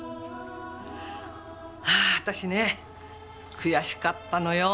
私ね悔しかったのよ。